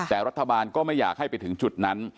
แต่รัฐบาลก็ไม่อยากให้ไปถึงจุดนั้น